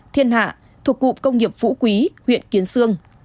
thiên hạ thuộc cụm công nghiệp phú quý huyện kiến sương